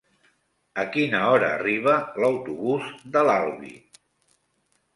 A quina hora arriba l'autobús de l'Albi?